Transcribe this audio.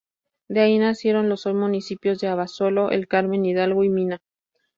De ahí nacieron los hoy municipios de Abasolo, El Carmen, Hidalgo y Mina.